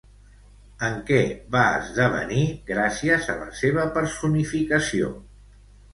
En què va esdevenir gràcies a la seva personificació?